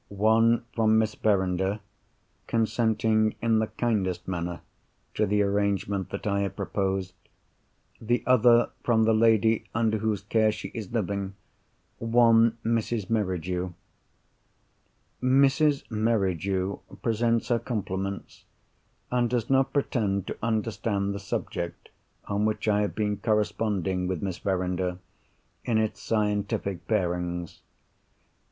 One from Miss Verinder, consenting, in the kindest manner, to the arrangement that I have proposed. The other from the lady under whose care she is living—one Mrs. Merridew. Mrs. Merridew presents her compliments, and does not pretend to understand the subject on which I have been corresponding with Miss Verinder, in its scientific bearings.